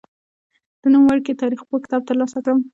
د نوم ورکي تاریخپوه کتاب تر لاسه کړم.